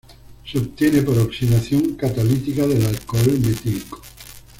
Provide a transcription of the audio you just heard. Se obtiene por oxidación catalítica del alcohol metílico.